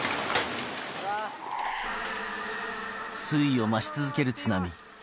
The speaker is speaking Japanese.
水位を増し続ける津波。